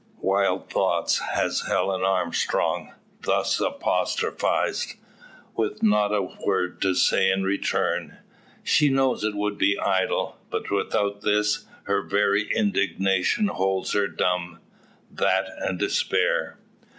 Wild thoughts has Helen Armstrong, thus apostrophised, with not a word to say in return. She knows it would be idle; but without this, her very indignation holds her dumb that and despair.